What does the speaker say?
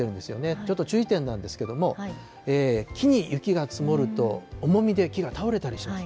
ちょっと注意点なんですけれども、木に雪が積もると、重みで木が倒れたりします。